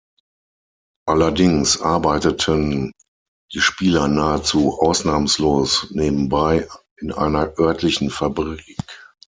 Allerdings arbeiteten die Spieler nahezu ausnahmslos nebenbei in einer örtlichen Fabrik.